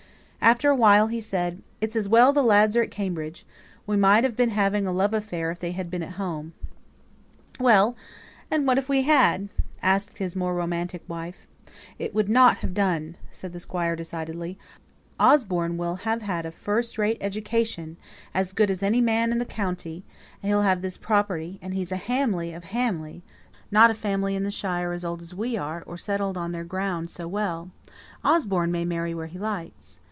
After a while he said, "It's as well the lads are at Cambridge; we might have been having a love affair if they had been at home." "Well and if we had?" asked his more romantic wife. "It wouldn't have done," said the Squire, decidedly. "Osborne will have had a first rate education as good as any man in the county he'll have this property, and he's a Hamley of Hamley; not a family in the shire is as old as we are, or settled on their ground so well. Osborne may marry where he likes.